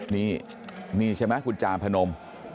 นี่นี่ใช่ไหมคุณจาพนม